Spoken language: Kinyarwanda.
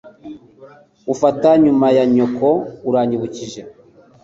Ufata nyuma ya nyoko. Uranyibukije.